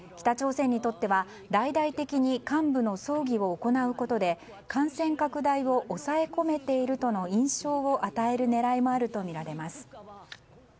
北朝鮮にとっては大々的に幹部の葬儀を行うことで感染拡大を抑え込めているとの印象を与える狙いもあるとみられます。